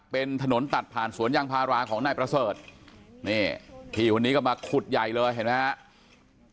เป็นถนนตัดผ่านสวนยางพาราของนายประเสริฐนี่พี่คนนี้ก็มาขุดใหญ่เลยเห็นไหมครับ